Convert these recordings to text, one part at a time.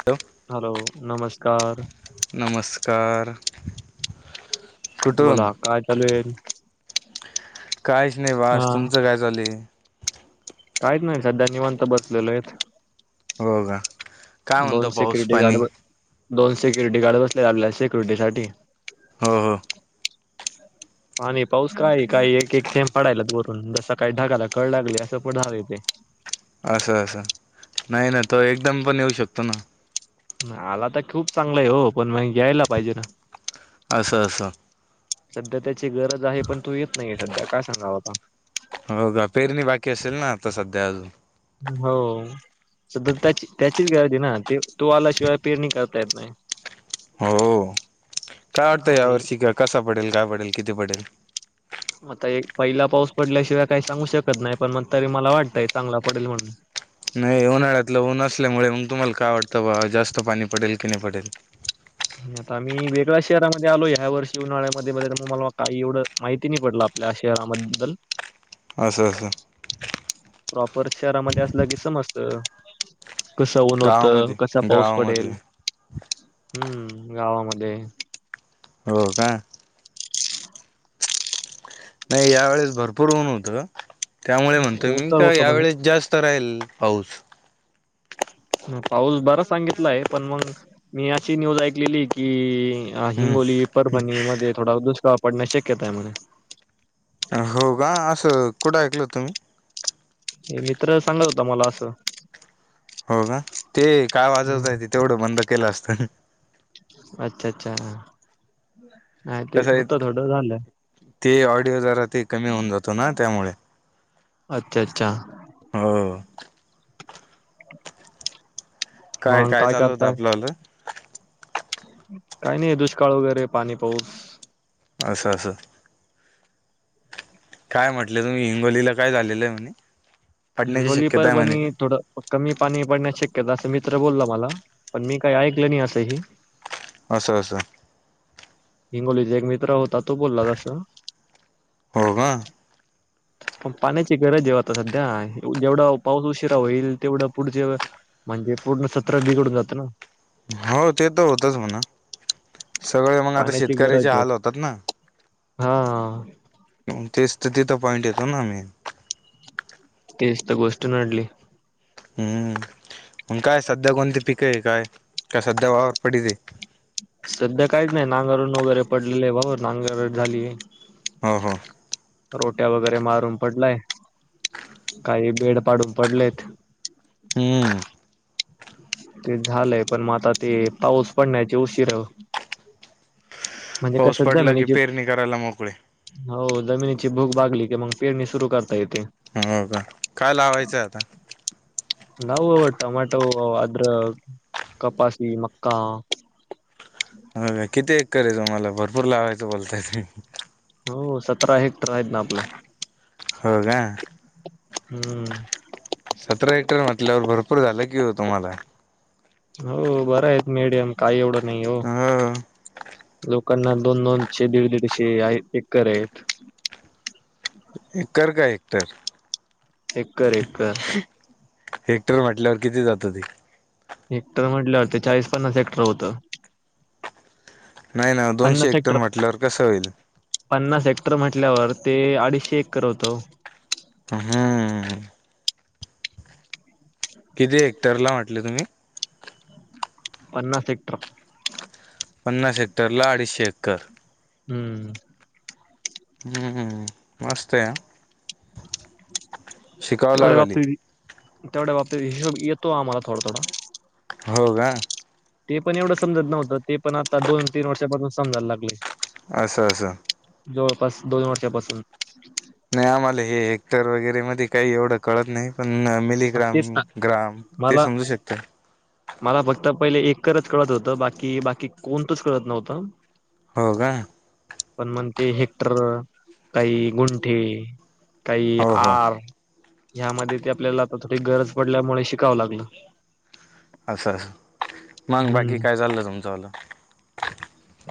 Hello hello नमस्कार! कार बोला काय चालूय? काहीच नाही, बास तुमचं काय चालुय? काहीच नाही सध्या निवांत बसलेलोयत. हो का काय म्हणतो दोन पाऊस सिक्युरिटी पाणी गार्ड, दोन सिक्युरिटी गार्ड बसले आपल्या सिक्युरिटी साठी हो हो आणि पाऊस काय काही एक एक थेम पडायलाच वरून जस काळी ढागायला कळ लागलीय असं पडायल ते [inaudible] असं, असं, नाही ना तो एकदम पण येऊ शकतो ना? आला तर खूप चांगलंय वो, पण म यायला पाहिजे ना? असं असं सध्या त्याची गरज आहे पण तो येत नाहीे सध्या काय सांगाव आता हो का पेरणी बाकी असेल ना आता सध्याल हो सध्या त्या त्याचीच गरजय ना ते तो आल्याशिवाय पेरणी करता येत नाही. हो [inaudible] काय वाटतंय आणि यावर्षी का कसा पडेल? काय पडेल? किती पडेल? आता एक पहिला पाऊस पडल्याशिवाय काही सांगू शकत नाही. पण मग तरी मला वाटतंय चांगला पडेल म्हणून नाही उन्हाळ्यातलं ऊन असल्यामुळे मग तुम्हाला काय वाटतं बाॅ जास्त पाणी पडेल की नाही पडेल? आता आम्ही वेगळ्या शहरामध्ये आलो ह्या वर्षी उन्हाळ्यामध्ये मग मला काही एवढं माहिती नाही पडलं आपल्या शहराबद्दल- असं असं प्रॉपर शहरामध्ये असलं की समजत. कसं ऊन होत, गावामध्ये कसा पाऊस पडेल? गावामध्ये हम्म गावामध्ये हो का! नाही यावेेळेस भरपूर ऊन होतं. त्यामुळे म्हणतोय ऊन मी तर का होत यावेेळेस म्हणजे जास्त राहील पाऊस [unintelligible] पाऊस बरच सांगितला आहे पण मग मी अशी न्यूज ऐकलेली की हम्म हिंगोली परभणी मध्ये थोडा दुष्काळ पडण्या शक्यता आहे मध्ये हो का असं कुठं ऐकलं होतं मी मित्र सांगत होता मला असं हो का ते काय वाजवताय हम्म ते तेवढं बंद केलं असतं अच्छा अच्छा नाही ते कसं आहे होत थोडं झालं ते ऑडिओ जरा ते कमी होऊन जातो ना त्यामुळे अच्छा अच्छा हो म काय चालू होतं करताय आपलंलं काही नाही दुष्काळ वगैरे पाणी पाऊस असशं असशं काय म्हटलं तुम्ही हिंगोलीला काय झालेलं आहे म्ह हिंगोली प बनी ोडं कमी पाणी पडण्या श कदा अस मित्र बोलला मला पण मी काही ऐकलं नाही असंही असशा असं हिंगोलीचा एक मित्र होता तो बोलला तसं हो का पण पाण्याची गरज आहे आता सध्या जेवढा पाऊस उशिरा होईल तेवढं पुढचे म्हणजे पूर्ण सतरा बिघडून जातं ना हो ते तर होतच म्हणा सगळे मग आता पाण्याची शेतकऱ्याचे गरज आहे हाल होतात ना हा तेच तर तिथं पॉइंट येतो ना आम्ही तेच तर गोष्ट नडली हम्म काय सध्या कोणते पिक आहे काय कासादावावर पडी ती सध्या काहीच नाही नांगारून वगैरे पडलेले आहे बाबा नांगर झाली हो हो रोट्या वगैरे मारून पडलाय काही बेड पाडून पडलेत हम ते झालंय, पण मग आता ते पाऊस पडण्याची उशीर म्हणजे पाऊस कस पडला की जमिनीची पेरणी करायला मोकळे हो जमिनी भूक भागली की मग पेरणी सुरू करता येते. हं, हं, हं. काय लावायचंय आता? लावु टमॅटो, आद्रक, कपासी, मका [unintelligible] होय, किती एकर हाय तुम्हाला भरपूर लावायचं बोलतायेत? हो सतरा हेक्टर आहेत ना आपलं. होय काय? हम्म. हेक्टर म्हटल्यावर भरपूर झालं की हो तुम्हाला. हो बर आहेत मीडियम काही एवढं नाही हो. लोकांना दोन दोनशे, दीड दीडशे आहेत एकर आहेत. एकर काय हेक्टर? Acre, acre. हेक्टर म्हंटल्यावर किती जातं ते? हेक्टर म्हंटल्यावर ते चाळीस पन्नास हेक्टर होतं. नाही ना दोनशे हेक्टर म्हंटल्यावर कसं होईल? पन्नास हेक्टर म्हटल्यावर ते अडीचशे एकर होतं ओ. हम्म किती हेक्टरला म्हंटले तुम्ही? पन्नास हेक्टर. पन्नास हेक्टरला अडीचशे एक्कर. हम्म. हम्म, मस्त हाय हा. शिकावं तेवढ्या लागलं हि. बाबतीत तेवढ्या बाबतीत हिशोब येतो आम्हाला थोडा, थोडा. हो का? ते पण एवढं समजत नव्हतं, ते पण आता दोन तीन वर्षापासून समजायला लागलंय. असं, असं. जवळपास दोन वर्षापासून नाही आम्हाला हे हेक्टर वगैरेमध्ये काही एवढं कळत नाही. पण मग मिलीग्राम तेच ना ग्राम ते मला समजू शकतं. मला फक्त पहिले एककरच कळत होतं, बाकी बाकी कोणतंच कळत नव्हतं. हो का? पण मग ते हेक्टर, काही गुंठे, काही हो हो. आर ह्यामध्ये ते आपल्याला आता थोडी गरज पडल्यामुळे शिकावं लागलं. असं असं, मग बाकी हम्म काय चाललं तुमच वालं?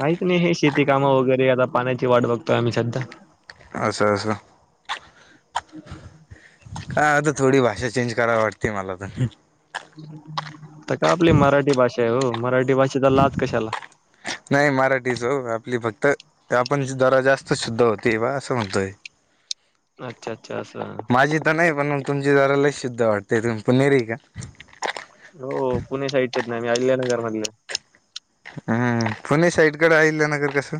काहीच नाही हे शेती काम वगैरे आता पाण्याची वाट बघतोय आम्ही सध्या. असं असं [inaudible] काय आता थोडी भाषा चेंज करावी वाटते मला तर. तर काय आपली मराठी भाषा आहे हो, मराठी भाषेचा लाज कशाला. नाही मराठीच हो आपली फक्त आपण जरा जास्त शुद्ध होते बा असं म्हणतोय. अच्छा, अच्छा असं माझी तर नाही पण तुमची जरा लई शुद्ध वाटते. तुम्ही पुणेरी हाय का? हो पुणे साईडच्याच नाही मी अलिल्या नगरमधले हम्म पुणे साईडकडे आहिल्या नगर कसं?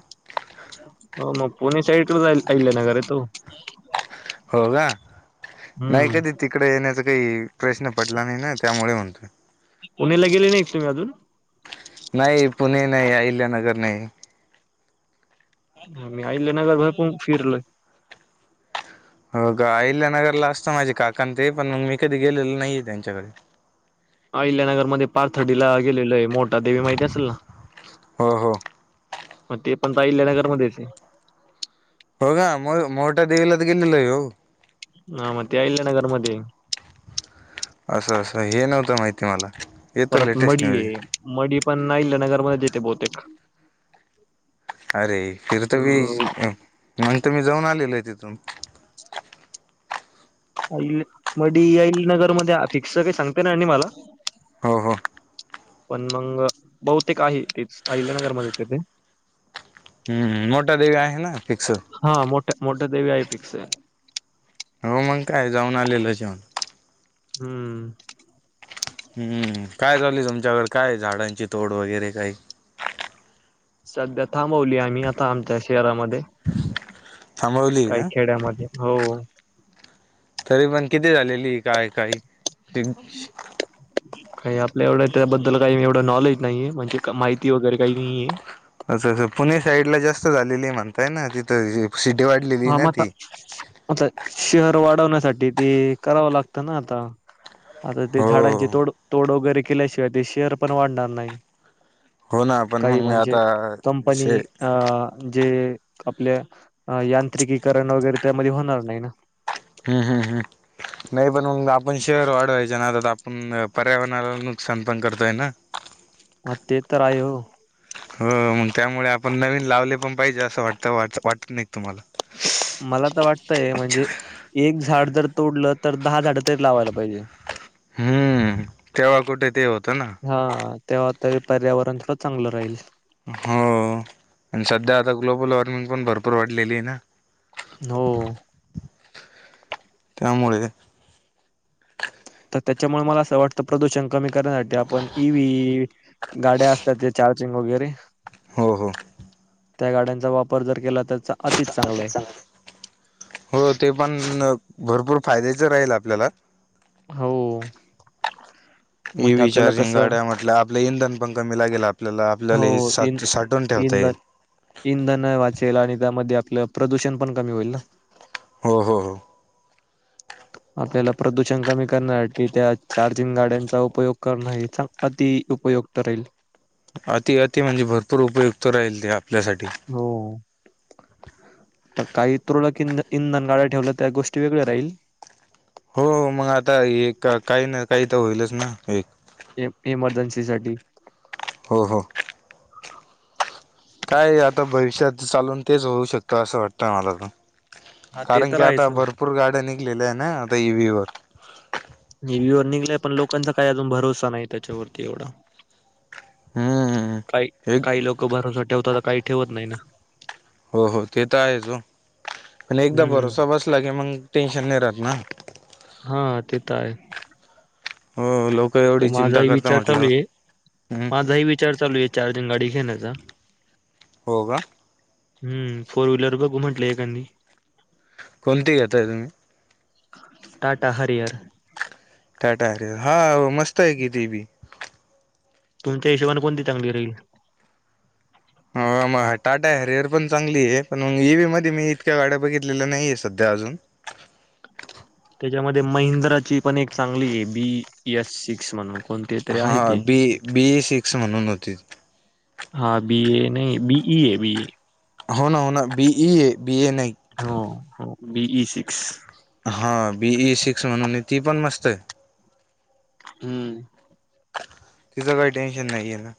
हो मग पुणे साईडवरच आहिल्यानगर आहेत हो. हो का? नाही कधी तिकडं येण्याचा काही प्रश्न पडला नाही ना त्यामुळे म्हणतोय. पुण्याला गेले नाही तुम्ही अजून? नाही, पुणे नाही, अहिल्यानगर नाही, मी आईल्यानगरला पन फिरलोय. हो का अहिल्यानगरला असता माझे काकाण ते पण मग मी कधी गेलेल नाहीये त्यांच्याकडे. अहिल्यानगर मध्ये पारथडीला गेलेलंय मोठ देेवी माहिती असेल ना! हो हो मग ते पण अहिल्यानगरमध्येच ये, हो का मो मोठादेवीला त गेलेलं हो, ह म ते आईल नगर मध्ये असं असं हे नव्हतं माहिती मला. येतो परत लेटेस्ट मडी न्यूज ये मडी पण नाहीईलेनगरमध्ये येते बहुतेक, अरे फिर तर मी अ मग त मी जाऊन आलेल आहे तिथून, अईल मडी अईल नगर मध्ये फिक्स काही सांगते ना मला, हो हो. पण मग बहुतेक आहे तेच अहिल्या्यनगरमध्येच तेथे. हम्म मोटा देवी आहे ना! फिक्स हा मोठा मोठा देवी आये फिक्स. हो मग काय जाऊन आलेलं जेवण. हम्म! हम्म काय चालू य तुमच्याकड काय झाडांची तोड वगैरे काही, सध्या थांबवली आम्ही आता आमच्या शहरामध्ये, [unintelligible] काही का? खेड्यामध्ये हो! तरी पण किती झालेली काय काय? काही आपल्या एवढं त्याबद्दल काही एवढं नॉलेज नाहीये म्हणजे माहिती वगैरे काही नाहीय. असं असं पुणे साईडला जास्त झालेली म्हणताय ना तिथं जी हा मता म आता शहर वाढवण्या सा साठी ते करावं लागत न आता आता ते हो झाडांची तोड तोड वगैरे केल्याशिवाय ते शेअर पण वाढणार नाही. हो ना पण काही मग म्हणजे आता कंपनी श अ जे आपल्या यांत्रिकीकरण वगैरे त्यामध्ये होणार नाही. हम्म हम्म हम्म. नाही पण मग आपण शहर वाढवाच्या नादात आपण पर्यावरणाला नुकसान पण करतोय ना? मग ते तर आहे हो हो मग त्यामुळे आपण नवीन लावले पण पाहिजे असं वाटत वाटत वाटत नाही क तुम्हाला? मला तर वाटतंय म्हणजे एक झाड जर तोडलं तर दहा झाड तरी लावायला पाहिजे. हम्म! तेव्हा कुठे ते होतं ना. हां, तेव्हा त पर्यावरण थोडं चांगलं राहील. हो आणि सध्या आता ग्लोबल वॉर्मिंग पण भरपूर वाढलेली आहे ना? हो, त्यामुळे तर त्याच्यामुळे मला असं वाटतं प्रदूषण कमी करराण्यासाठी आपण इ वी इ गाड्या असतात त्या चा चार्जिंग वगैरे? हो हो त्या गाड्यांचा वापर जर केला तर चा अत [inaudible] हो ते पण भरपूर फायद्याच राहील आपल्याला. हो! इ म्हणजे वी आपल्याला चार्जिंग कसं गाड्या म्हटल्या आपल्या इंधन पण कमी लागेल आपल्याला आपल्याल हो, इन साठ ते साठवून ठेव इंधन इंधन वाचेल आणि त्यामध्ये आपलं प्रदूषण पण कमी होईल ना? हो हो हो! आपल्याला प्रदूषण कमी करण्यासाठी त्या चार्जिंग गाड्यांचा उपयोग करणं हे चा अती ती उपयुक्त राहील. अति अति म्हणजे भरपूर उपयुक्त राहील ते आपल्यासाठी. हो, [inaudible] तर काही तुरळकं इंध इंधन गाड्या ठेवलं त्या गोष्टी वेगळ्या राहील. हो मग आता एक काही ना काही तर होईलच ना एक इम इमर्जन्सी साठी! हो हो काय आता भविष्यात चालून तेच होऊ शकतं असं वाटतं मला त हा ते कारण तर की आहेच आता भरपूर गाड्या निघलेल्या आहे न. [unintelligible] नि वू वर निघाल्या पण लोकांचा काही अजून भरोसा नाही त्याच्यावरती एवढा. हम्म काही एक काही लोक भरोसा ठेवतातात काही ठेवत नाही ना. हो हो ते तर आहे ओ! आणि एकदा हम्म भरोसा बसला की मग टेन्शन नाही राहत ना. हा ते तर आहे हो लोक तर एवढी चिंता माझाही करता विचार चालू म्हटल्यावर आहे हम्म. माझाही विचार चालू आहे चार गाडी घेण्याचा. हो का? हम्म फोर व्हीलर बघू म्हटलं एखादी. कोणती घेताय तुम्ही? टाटा हरियर टाटार हरिअर हा मस्त आहे किती बी. तुमच्या हिशोबाने कोणती चांगली राहील हो टाटा हरियर पण चांगली आहे पण म ई वी मध्ये मी इतक्या गाड्या बघितलेल्या नाहीये सध्या. आजुन? [inaudible] त्याच्यामध्ये महिंद्राची पण एक चांगली आहे बी एस सिक्स म्हणून कोणते तरी हा आहे ते बी बी ए सिक्स म्हणून होती हा बी ए नाही बी इ ये बी ए हो ना हो ना बी इ हा हा बीई सिक्स म्हणून ती पण मस्त आहे हम्म तिचं काही टेन्शन नाही आहे ना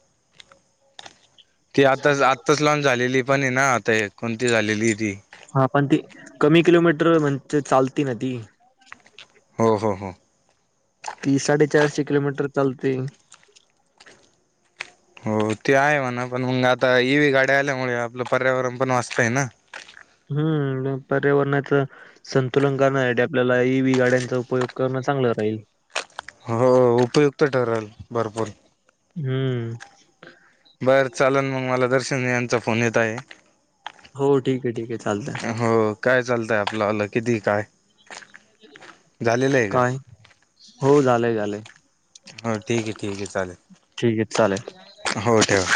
ती आताच आत्ताच लॉनच झालेली पण आहे ना आता कोणती झालेली ती हा पण ती कमी किलोमीटर म्हणजे चालती का ती हो ह हो ती साडेचारशे किलोमीटर चालते होर ते हाय म्हणावं पण आता ये वी गाड्या आल्यामुळे आपला पर्यावरण वाचते ना बनवून जात आहे ना हम्म पर्यावरणाच संतुलन करणसाठी आपल्याला ई व् गाड्यांचा उपयोग करण चांगलं राहील हो उपयुक्त ठरेल भरपूर हम्म सगळ्यांचे फोन येत आहेत हो ठीक आहे ठीक आहे चालतंय. हो काय चालते आपण तुला आलं किती काय झालेलं आहे काय का हो झाले झाले हो ठीक आहे ठीक आहे चाले ठीक आहे चालेल हो ठेव